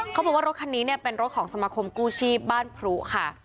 เขาบอกว่ารถคันนี้เนี่ยเป็นรถของสมาคมกู้ชีพบ้านพรุค่ะ